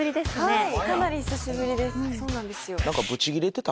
はい！